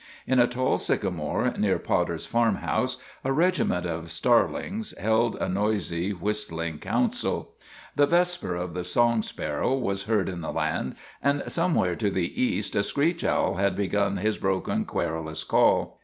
In a tall sycamore near Potter's farmhouse a regiment of starlings held a noisy, whistling council. The vesper of the song sparrow was heard in the land, and somewhere to the east a screech owl had begun his broken, querulous call.